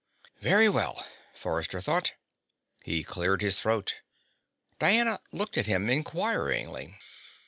Very well, Forrester thought. He cleared his throat. Diana looked at him inquiringly.